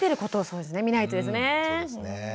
そうですね。